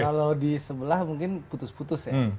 kalau di sebelah mungkin putus putus ya